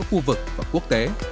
khu vực và quốc tế